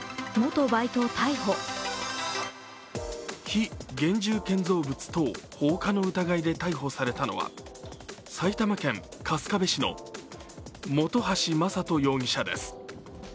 非現住建造物等放火の疑いで逮捕されたのは埼玉県春日部市の本橋真人容疑者です。